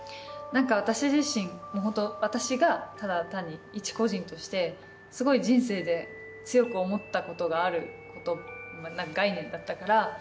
私自身もうホント私がただ単に一個人としてすごい人生で強く思ったことがある概念だったから。